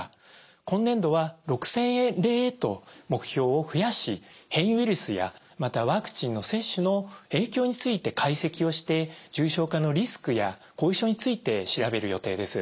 今年度は６，０００例へと目標を増やし変異ウイルスやまたワクチンの接種の影響について解析をして重症化のリスクや後遺症について調べる予定です。